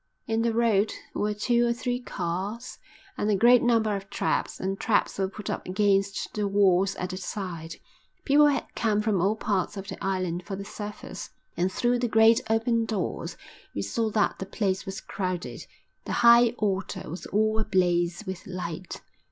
In the road were two or three cars, and a great number of traps, and traps were put up against the walls at the side. People had come from all parts of the island for the service, and through the great open doors we saw that the place was crowded. The high altar was all ablaze with light.